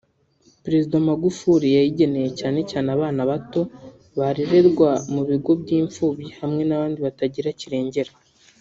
perezida Magufuli yayigeneye cyane cyane abana bato barererwa mu bigo by’imfubyi hamwe n’abandi batagira kirengera